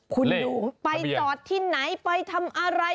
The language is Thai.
คุณดูไปจอดที่ไหนไปทำอะไร